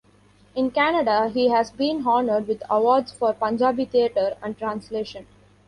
In Canada he has been honored with awards for Punjabi theatre and translation.